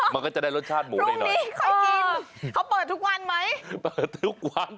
ไม่ต้องพรุ่งนี้ค่อยกินเขาเปิดทุกวันไหมมันก็จะได้รสชาติหมูได้หน่อย